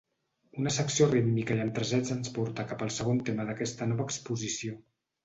Una secció rítmica i amb tresets ens porta cap al segon tema d'aquesta nova exposició.